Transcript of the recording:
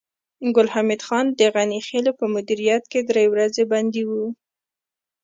ګل حمید خان د غني خېلو په مدیریت کې درې ورځې بندي و